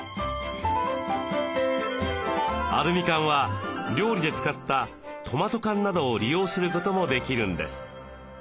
アルミ缶は料理で使ったトマト缶などを利用することもできるんです。